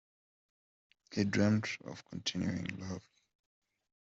He dreamt of continuing love